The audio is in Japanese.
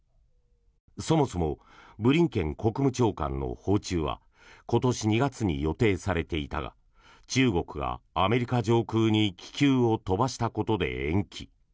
そもそもブリンケン国務長官の訪中は今年２月に予定されていたが中国がアメリカ上空に気球を飛ばしたことで延期。